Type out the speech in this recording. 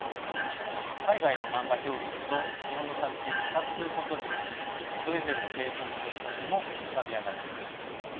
海外のマンガ表現と日本の作品を比較することによりそれぞれの傾向の特色も浮かび上がってきます。